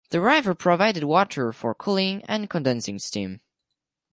The river provided water for cooling and condensing steam.